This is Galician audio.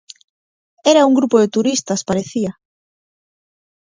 Era un grupo de turistas, parecía.